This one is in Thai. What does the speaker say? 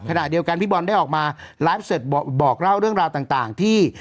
ขณะเดียวกันพี่บอลได้ออกมาไลฟ์สดบอกเล่าเรื่องราวต่างที่